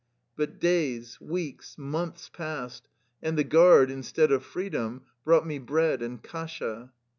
" But days, weeks, months passed, and the guard, instead of freedom, brought me bread and kasha.